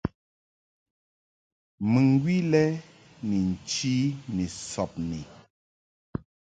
Mɨŋgwi lɛ ni nchi ni sɔbni.